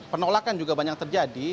penolakan juga banyak terjadi